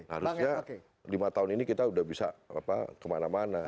harusnya lima tahun ini kita sudah bisa kemana mana